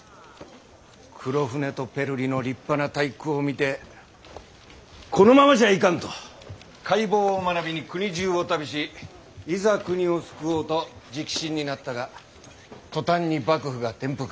黒船とペルリの立派な体躯を見てこのままじゃいかんと海防を学びに国中を旅しいざ国を救おうと直臣になったが途端に幕府が転覆。